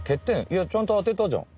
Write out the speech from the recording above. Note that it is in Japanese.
いやちゃんと当てたじゃん。